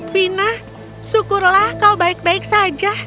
fina syukurlah kau baik baik saja